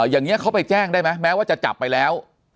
อย่างนี้เขาไปแจ้งได้ไหมแม้ว่าจะจับไปแล้ว